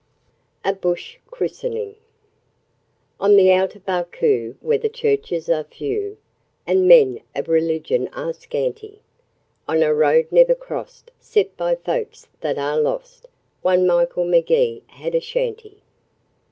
A Bush Christening On the outer Barcoo where the churches are few, And men of religion are scanty, On a road never cross'd 'cept by folk that are lost, One Michael Magee had a shanty.